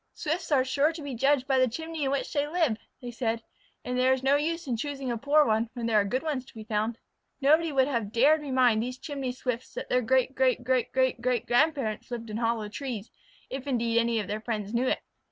"Swifts are sure to be judged by the chimney in which they live," they said, "and there is no use in choosing a poor one when there are good ones to be found." Nobody would have dared remind these Chimney Swifts that their great great great great grandparents lived in hollow trees, if indeed any of their friends knew it.